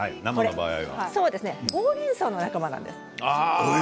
これはほうれんそうの仲間なんです。